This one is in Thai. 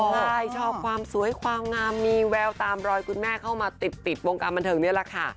ใช่ชอบความสวยความงามมีแววตามรอยคุณแม่เข้ามาติดวงการบันเทิงนี่แหละค่ะ